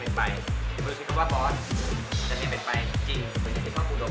ไม่ค่อยได้มีประสบการณ์